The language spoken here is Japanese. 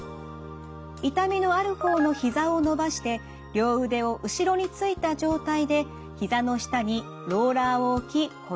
痛みのある方のひざを伸ばして両腕を後ろについた状態でひざの下にローラーを置き転がします。